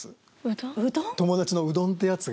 友達のうどんってやつが。